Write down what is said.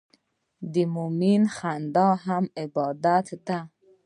د مؤمن خندا هم عبادت ده.